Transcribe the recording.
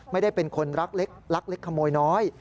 ไม่ได้เป็นคนรักเล็กรักเล็กขโมยน้อย